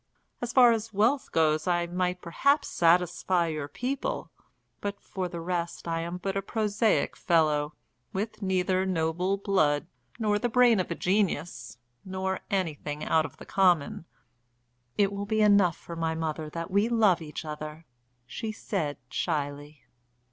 As far as wealth goes I might perhaps satisfy your people, but for the rest I am but a prosaic fellow, with neither noble blood, nor the brain of a genius, nor anything out of the common." "It will be enough for my mother that we love each other," she said shyly.